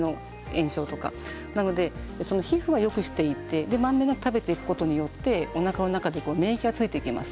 ですから皮膚を予防していってまんべんなく食べていくことによっておなかの中で免疫がついていきます。